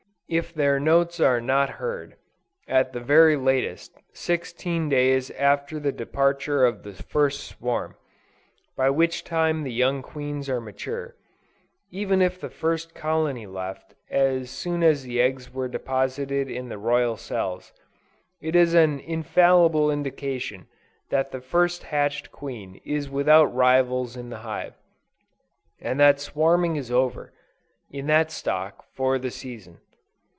If their notes are not heard, at the very latest, sixteen days after the departure of the first swarm, by which time the young queens are mature, even if the first colony left as soon as the eggs were deposited in the royal cells, it is an infallible indication that the first hatched queen is without rivals in the hive, and that swarming is over, in that stock, for the season.